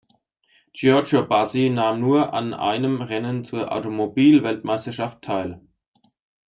Giorgio Bassi nahm nur an einem Rennen zur Automobil-Weltmeisterschaft teil.